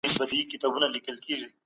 د غیر مسلمان ژوند هم ارزښت لري.